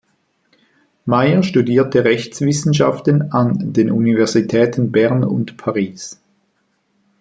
Meyer studierte Rechtswissenschaften an den Universitäten Bern und Paris.